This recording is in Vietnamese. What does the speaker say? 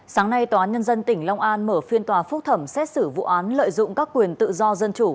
sáng nay tòa án nhân dân tỉnh long an mở phiên tòa phúc thẩm xét xử vụ án lợi dụng các quyền tự do dân chủ